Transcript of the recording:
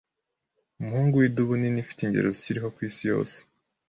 umuhungu widubu nini ifite ingero zikiriho ku isi yose